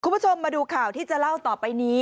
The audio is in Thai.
คุณผู้ชมมาดูข่าวที่จะเล่าต่อไปนี้